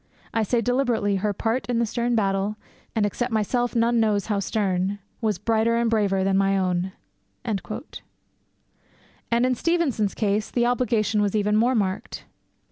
I say deliberately her part in the stern battle (and except myself none knows how stern) was brighter and braver than my own.' And in Stevenson's case the obligation is even more marked.